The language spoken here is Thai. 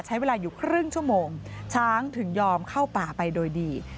ใช้เวลาอยู่ครึ่งชั่วโมงช้างถึงยอมเข้าป่าไปโดยดี